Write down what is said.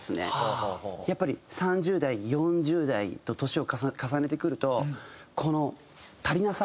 やっぱり３０代４０代と年を重ねてくるとこの足りなさ。